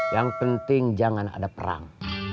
yang penting jangan ada perang